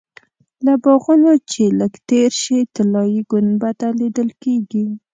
له باغونو چې لږ تېر شې طلایي ګنبده لیدل کېږي.